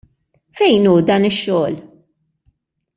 Fejn hu dan ix-xogħol?